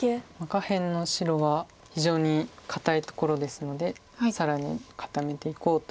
下辺の白は非常に堅いところですので更に固めていこうということです。